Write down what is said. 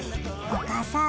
お母さん。